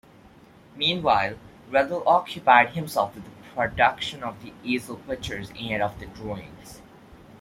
Meanwhile, Rethel occupied himself with the production of easel pictures and of drawings.